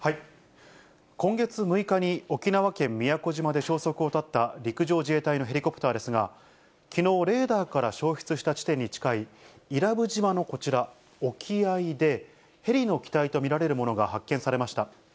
今月６日に沖縄県宮古島で消息を絶った陸上自衛隊のヘリコプターですが、きのう、レーダーから消失した地点に近い、伊良部島のこちら、沖合で、ヘリの機体と見られるものが発見されました。